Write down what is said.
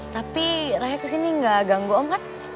tapi rahya kesini gak ganggu om kan